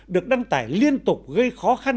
được đăng tải liên tục gây khó khăn